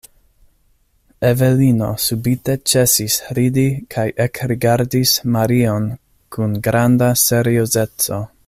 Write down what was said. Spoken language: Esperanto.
Evelino subite ĉesis ridi kaj ekrigardis Marion kun granda seriozeco.